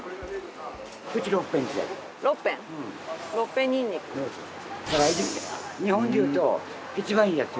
金久保さん：日本でいうと一番いいやつ。